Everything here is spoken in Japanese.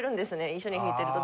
一緒に弾いてると。